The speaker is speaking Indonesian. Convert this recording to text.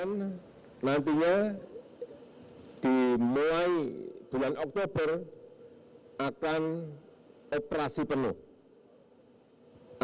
nantinya di mulai bulan oktober akan operasi penuh